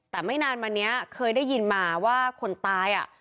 แต่ไม่นานมาเนี้ยเคยได้ยินมาว่าคนตายอ่ะ